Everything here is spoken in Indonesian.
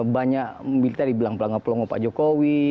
banyak minta dibilang pelangga pelongo pak jokowi